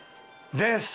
です。